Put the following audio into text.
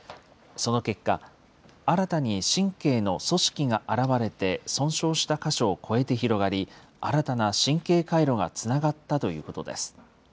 その結果、新たに神経の組織が現れて損傷した箇所を超えて広がり、新たな神経回路がつながったということです。